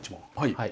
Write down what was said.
はい。